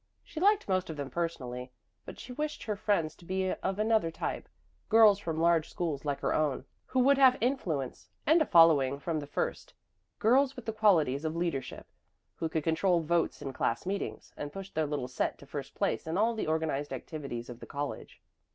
She liked most of them personally, but she wished her friends to be of another type girls from large schools like her own, who would have influence and a following from the first; girls with the qualities of leadership, who could control votes in class meetings and push their little set to first place in all the organized activities of the college.